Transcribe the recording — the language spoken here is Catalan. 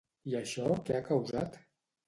I això què ha causat?